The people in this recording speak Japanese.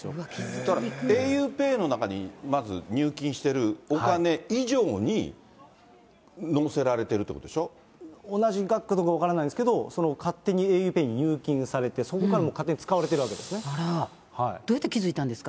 だからａｕＰＡＹの中にまず入金してるお金以上に乗せられて同じ額だか分からないんですけど、勝手にａｕＰＡＹに入金されて、そこから勝手に使われてるどうやって気付いたんですか。